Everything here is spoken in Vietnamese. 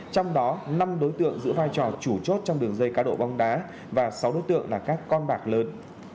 trong đó năm đối tượng giữ vai trò chủ chốt trong đường dây cá độ bóng đá và sáu đối tượng là các con bạc lớn